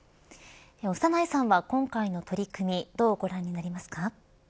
長内さんは今回の取り組みどうご覧になりますか。